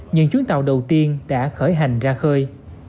những chuyến tàu đầu tiên đã khởi hành ra khơi